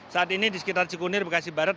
saat ini di sekitar cikunir bekasi barat